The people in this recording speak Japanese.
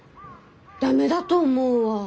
駄目だと思うわ。